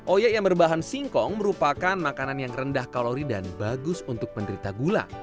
oyek yang berbahan singkong merupakan makanan yang rendah kalori dan bagus untuk penderita gula